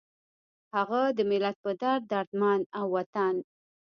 هغه د ملت پۀ دړد دردمند، او د وطن